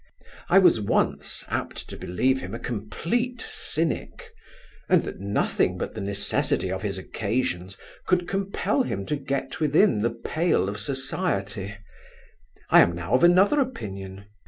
I was once apt to believe him a complete Cynic; and that nothing but the necessity of his occasions could compel him to get within the pale of society I am now of another opinion.